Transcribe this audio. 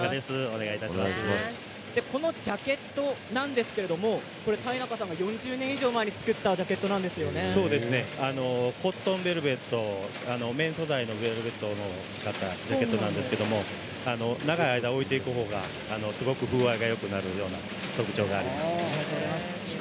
このジャケットなんですけれど妙中さんが４０年以上前に作ったコットンベルベット綿素材のベルベットを使ったジャケットなんですけれど長い間、置いている方が風合いがよくなるような特徴があります。